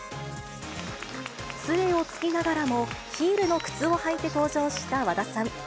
つえをつきながらも、ヒールの靴を履いて登場した和田さん。